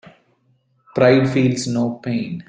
Pride feels no pain.